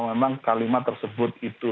memang kalimat tersebut itu